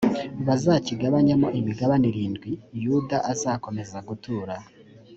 bazakigabanyemo imigabane irindwi yuda azakomeza gutura